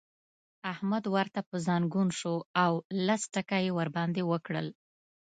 احمد ورته پر ځنګون شو او لس ټکه يې ور باندې وکړل.